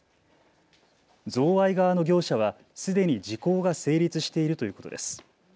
贈賄側の業者はすでに時効が成立しているということです。